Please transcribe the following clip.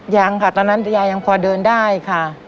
ยังค่ะตอนนั้นยายยังพอเดินได้ค่ะ